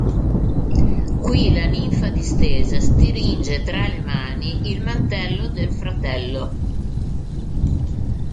Qui la ninfa distesa stringe tra le mani il mantello del fratello.